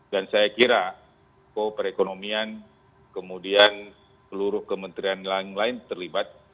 dan saya kira ko perekonomian kemudian seluruh kementerian lain lain terlibat